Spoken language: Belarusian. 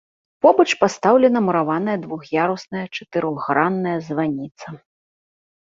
Побач пастаўлена мураваная двух'ярусная чатырохгранная званіца.